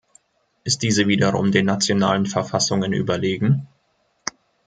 Ist diese wiederum den nationalen Verfassungen überlegen?